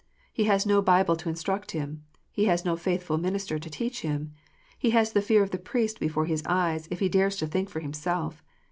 He has no Bible to instruct him. He has no faithful minister to teach him. He has the fear of the priest before his eyes, if he dares to think for him self.